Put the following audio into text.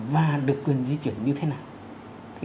và được quyền di chuyển như thế nào